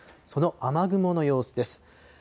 その雨雲の様子です。